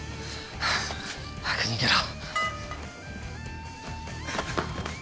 ハァ早く逃げろ。